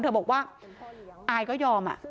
เธอบอกว่าอายก็ยอม